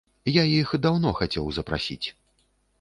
Я іх даўно хацеў запрасіць.